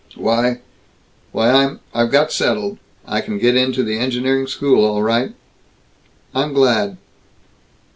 "Why, why I'm I've got settled. I can get into the engineering school all right." "I'm glad."